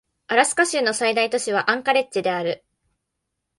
アラスカ州の最大都市はアンカレッジである